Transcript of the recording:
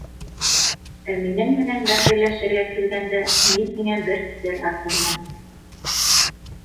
Ә минең менән бәхилләшергә килгәндә, мин һиңә бер сер асырмын.